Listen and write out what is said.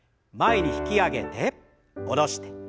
前に引き上げて下ろして。